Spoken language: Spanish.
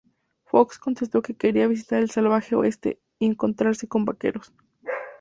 Fox contestó que quería visitar el salvaje oeste, y encontrarse con vaqueros.